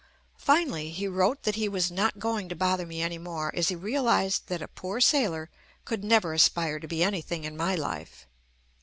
Fi nally, he wrote that he was not going to bother JUST ME me any more, as he realized that a poor sailor could never aspire to be anything in my life.